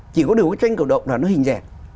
chỉ có điều cái tranh cổ động là nó hình dẹp